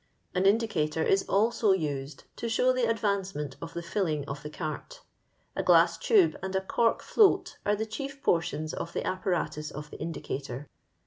An indicator is also used to show the advance ment of the filling of the cart ; a glass tube and a cork float are the chief portions of the apparatus of the indicator.